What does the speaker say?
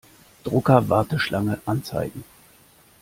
Drucker-Warteschlange anzeigen.